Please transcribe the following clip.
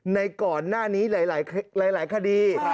ในก่อนหน้านี้หลายคดี